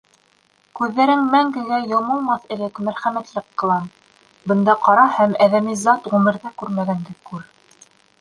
— Күҙҙәрең мәңгегә йомолмаҫ элек мәрхәмәтлек ҡылам: бында ҡара һәм әҙәми зат ғүмерҙә күрмәгәнде күр.